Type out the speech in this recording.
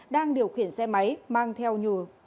đang điều khiển xe máy mang theo nhù